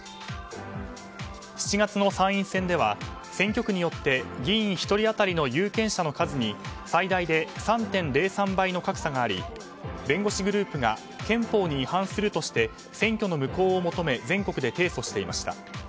７月の参院選では選挙区によって議員１人当たりの有権者の数に最大で３．０３倍の格差があり弁護士グループが憲法に違反するとして選挙の無効を求め全国で提訴していました。